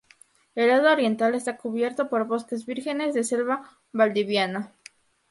El lado oriental está cubierto por bosques vírgenes de selva valdiviana.